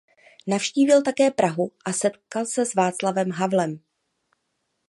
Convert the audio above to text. Navštívila také Prahu a setkala se s Václavem Havlem.